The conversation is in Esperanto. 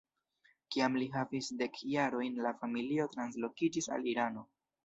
Kiam li havis dek jarojn la familio translokiĝis al Irano.